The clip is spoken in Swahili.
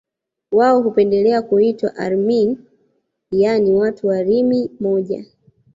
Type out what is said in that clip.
wao hupendelea kuitwa Arimi yaani watu wa Rimi moja